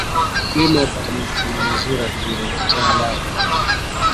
Mkulima hupata mavuono mazuri akilima kitaalam